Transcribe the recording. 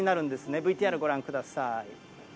ＶＴＲご覧ください。